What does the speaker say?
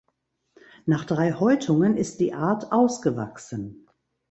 Nach drei Häutungen ist die Art ausgewachsen.